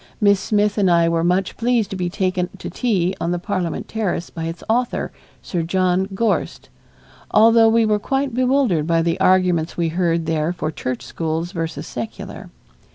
Miss Smith and I were much pleased to be taken to tea on the Parliament terrace by its author, Sir John Gorst, although we were quite bewildered by the arguments we heard there for church schools versus secular.